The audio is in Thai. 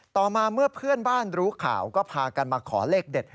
ต่อมาเมื่อเพื่อนบ้านรู้ข่าวก็พากันมาขอเลขเด็ด